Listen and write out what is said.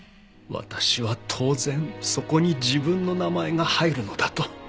私は当然そこに自分の名前が入るのだと。